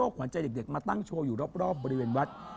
ขวัญใจเด็กมาตั้งโชว์อยู่รอบบริเวณวัด